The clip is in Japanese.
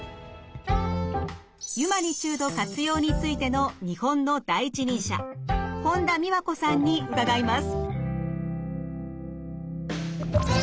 ユマニチュード活用についての日本の第一人者本田美和子さんに伺います。